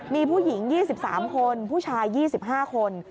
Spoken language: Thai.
มีผู้หญิง๒๓คนผู้ชาย๒๕คน